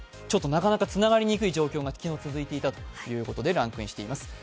なかなかつながりにくい状況が昨日続いていたということでランクインしています。